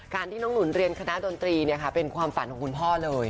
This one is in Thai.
ที่น้องหนุนเรียนคณะดนตรีเป็นความฝันของคุณพ่อเลย